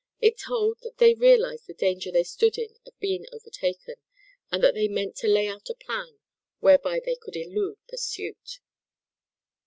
It told that they realized the danger they stood in of being overtaken, and that they meant to lay out a plan whereby they could elude pursuit.